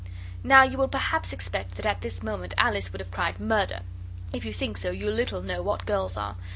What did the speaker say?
Now you will perhaps expect that at this moment Alice would have cried 'Murder!' If you think so you little know what girls are.